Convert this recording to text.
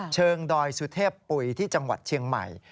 ดอยสุเทพปุ๋ยที่จังหวัดเชียงใหม่